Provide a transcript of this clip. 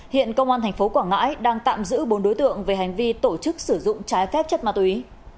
hiện công an tp quảng ngãi đang tạm giữ bốn đối tượng về hành vi tổ chức sử dụng trái phép chất ma túy